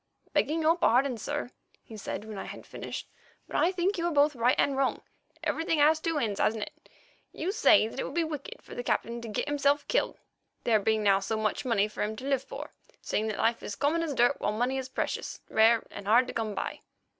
"Begging your pardon, sir," he said, when I had finished, "but I think you are both right and wrong. Everything has two ends, hasn't it? You say that it would be wicked for the Captain to get himself killed, there being now so much money for him to live for, seeing that life is common as dirt while money is precious, rare and hard to come by.